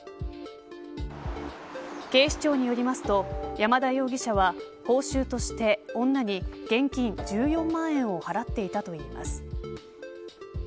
警視庁によりますと山田容疑者は報酬として女に現金１４万円を払っていたといいます。